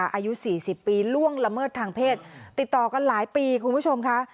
อายุ๔๐ปีล่วงละเมิดทางเพศติดต่อกันหลายปีคุณผู้ชมค่ะ